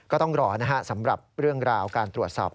ก็ต้องรอนะฮะสำหรับเรื่องราวการตรวจสอบ